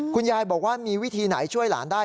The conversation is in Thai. คุณยายบอกว่ามีวิธีไหนช่วยหลานได้